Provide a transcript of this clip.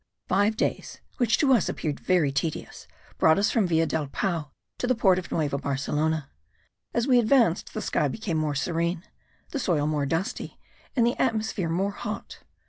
Five days, which to us appeared very tedious, brought us from Villa del Pao to the port of Nueva Barcelona. As we advanced the sky became more serene, the soil more dusty, and the atmosphere more hot.